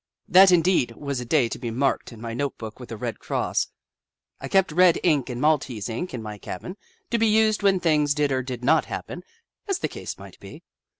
That, indeed, was a day to be marked in my note book with a red cross, I kept red ink and maltese ink in my cabin, to be used when things did or did not happen, as the case might be.